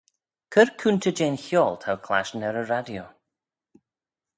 Cur coontey jeh'n chiaull t'ou clashtyn er y radio.